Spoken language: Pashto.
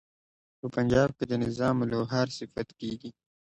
په پنجاب کې د نظام لوهار صفت کیږي.